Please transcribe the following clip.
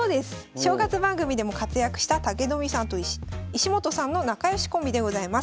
正月番組でも活躍した武富さんと石本さんの仲良しコンビでございます。